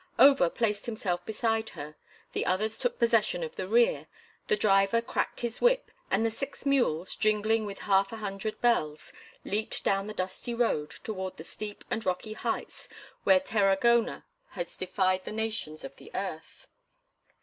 Over placed himself beside her, the others took possession of the rear, the driver cracked his whip, and the six mules, jingling with half a hundred bells, leaped down the dusty road towards the steep and rocky heights where Tarragona has defied the nations of the earth.